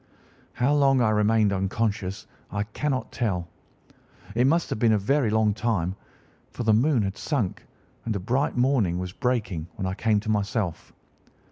"How long I remained unconscious I cannot tell. It must have been a very long time, for the moon had sunk, and a bright morning was breaking when I came to myself.